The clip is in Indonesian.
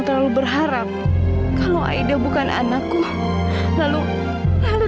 saya gak akan lepasin kamu